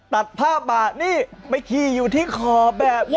ตัดผ้าบากนี่มันขี่อยู่ที่คอแบบ